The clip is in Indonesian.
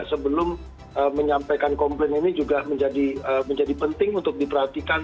sebelum menyampaikan komplain ini juga menjadi penting untuk diperhatikan